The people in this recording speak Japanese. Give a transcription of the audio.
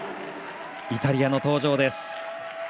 イタリアの登場です。